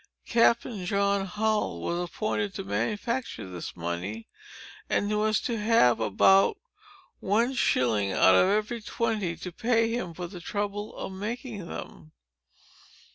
Captain John Hull was appointed to manufacture this money, and was to have about one shilling out of every twenty to pay him for the trouble of making them.